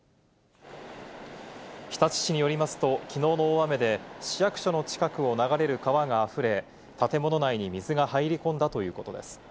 日立市によりますと、きのうの大雨で市役所の近くを流れる川があふれ、建物内に水が入り込んだということです。